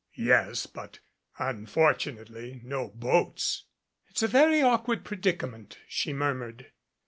"Yes, but unfortunately no boats." "It's a very awkward predicament," she murmured.